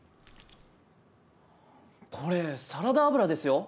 これサラダ油ですよ。